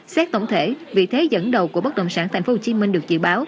xét tổng thể vị thế dẫn đầu của bất động sản tp hcm được dự báo